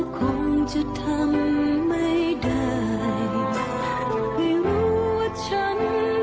แค่ไหน